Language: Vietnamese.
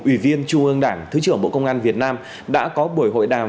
ủy viên trung ương đảng thứ trưởng bộ công an việt nam đã có buổi hội đàm